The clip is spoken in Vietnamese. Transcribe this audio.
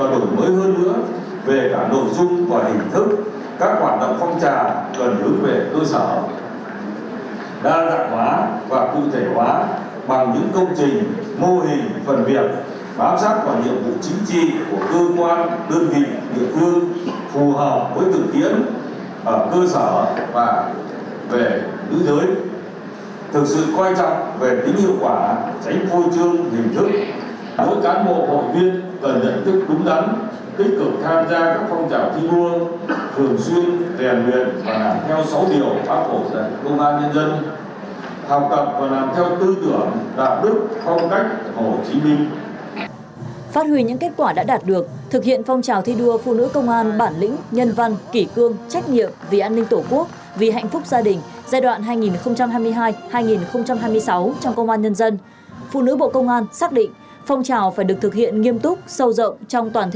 hội phụ nữ các cấp cần tiếp tục tổn mới và đổi mới hơn nữa về cả nội dung và hình thức các hoạt động phong trào